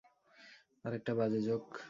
আরেকটা বাজে জোক।